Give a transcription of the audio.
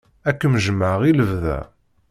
Ad kem-jjmeɣ i lebda.